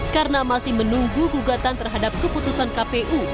karena masih menunggu gugatan terhadap keputusan kpu